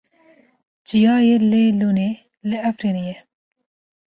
Çiyayê Lêlûnê li Efrînê ye.